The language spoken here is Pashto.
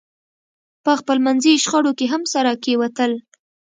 په خپلمنځي شخړو کې هم سره کېوتل.